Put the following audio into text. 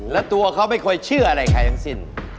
แล้วตัวเขาไม่เคยเชื่ออะไรใครทั้งสิ้น